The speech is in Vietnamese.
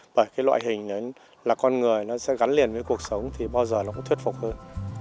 bởi cái loại hình ấy là con người nó sẽ gắn liền với cuộc sống thì bao giờ nó cũng thuyết phục hơn